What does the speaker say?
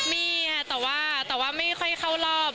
มีอ่ะแต่ว่าไม่ค่อยเข้ารอบ